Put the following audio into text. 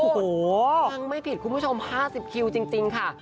ฮังไม่ผิดคุณผู้ชม๕๐คิวจริงค่ะ